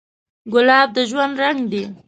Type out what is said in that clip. ګلاب د ژوند رنګ دی.